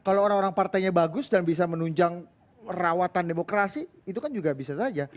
kalau orang orang partainya bagus dan bisa menunjang rawatan demokrasi itu kan juga bisa saja